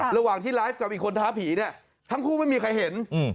ระหว่างที่ไลฟ์กับอีกคนท้าผีเนี่ยทั้งคู่ไม่มีใครเห็น